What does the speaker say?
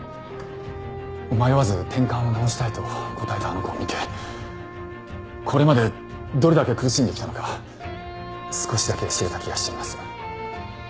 迷わず「てんかんを治したい」と答えたあの子を見てこれまでどれだけ苦しんできたのか少しだけ知れた気がしています。